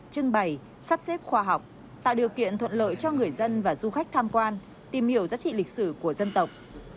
trưng bày sắp xếp khoa học tạo điều kiện thuận lợi cho người dân và du khách tham quan tìm hiểu giá trị lịch sử của dân tộc